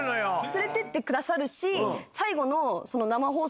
連れてってくださるし。